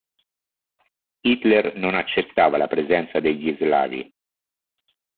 Hitler non accettava la presenza degli slavi.